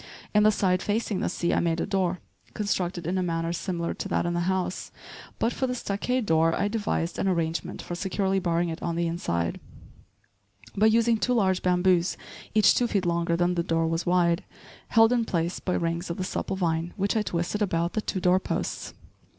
In the side facing the sea, I made a door, constructed in a manner similar to that in the house; but, for the stockade door, I devised an arrangement for securely barring it on the inside, by using two large bamboos each two feet longer than the door was wide, held in place by rings of the supple vine which I twisted about the two door posts.